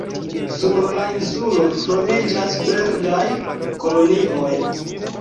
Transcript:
Sur la insulo troviĝas birdaj kolonioj.